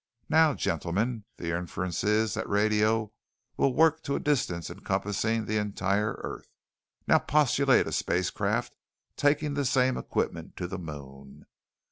Now, gentlemen, the inference is that radio will work to a distance encompassing the entire earth. "Now postulate a spacecraft taking this same equipment to the Moon.